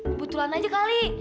kebetulan aja kali